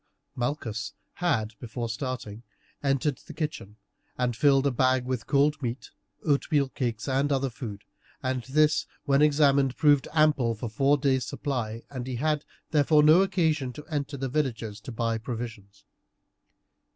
Malchus had, before starting, entered the kitchen, and had filled a bag with cold meat, oatmeal cakes, and other food, and this, when examined, proved ample for four days' supply, and he had, therefore, no occasion to enter the villages to buy provisions.